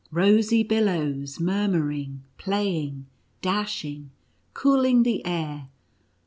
Rosy billows, murmuring, playing, dashing, cooling the air